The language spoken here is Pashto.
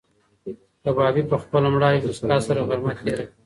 کبابي په خپله مړاوې موسکا سره غرمه تېره کړه.